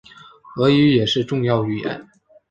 俄语也是重要语言。